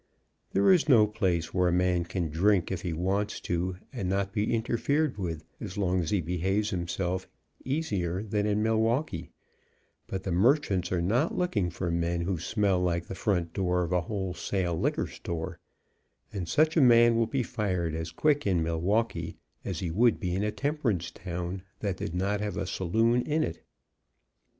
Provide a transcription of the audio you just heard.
There is no place where a man can drink if he wants to, and not be interfered with as long as he behaves himself, easier than in Milwaukee, but the merchants are not look ing for men who smell like the front door of a whole sale liquor store, and such a man will be fired as quick in Milwaukee as he would in a temperance town that did not have a saloon in it.